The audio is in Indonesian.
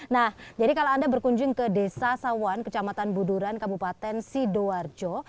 nah jadi kalau anda berkunjung ke desa sawan kecamatan buduran kabupaten sidoarjo